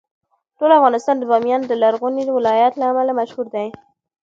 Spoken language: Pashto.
ټول افغانستان د بامیان د لرغوني ولایت له امله مشهور دی.